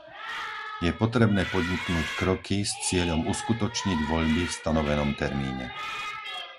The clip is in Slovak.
Je potrebné podniknúť kroky s cieľom uskutočniť voľby v stanovenom termíne.